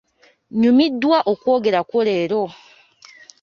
Nyumiddwa okwogera kwo leero.